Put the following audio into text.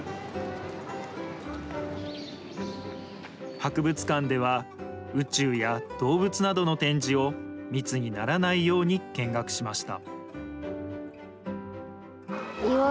博物館では、宇宙や動物などの展示を、密にならないように見学しました。